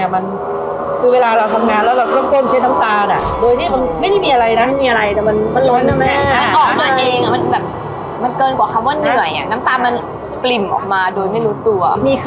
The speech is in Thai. มันเกินกว่าคำว่าเหนื่อยอ่ะน้ำตาลมันกลิ่มออกมาโดยไม่รู้ตัว